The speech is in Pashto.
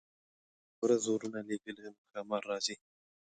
که یې یوه ورځ ورونه لېږله نو ښامار راځي.